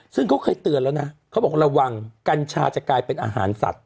ซึ่งเขาเคยเตือนแล้วนะเขาบอกระวังกัญชาจะกลายเป็นอาหารสัตว